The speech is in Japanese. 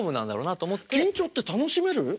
緊張って楽しめる？